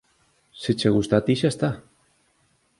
Se che gusta a ti xa está.